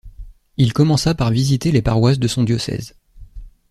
Il commença par visiter les paroisses de son diocèse.